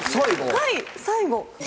はい最後。